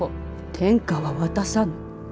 天下は渡さぬ。